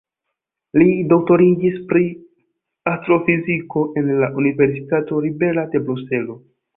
Li doktoriĝis pri astrofiziko en la Universitato Libera de Bruselo.